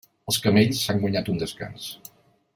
Els camells s'han guanyat un descans.